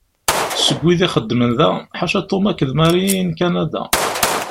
Seg wid ixeddmen da, ḥaca Tom akked Mary i n Kanada.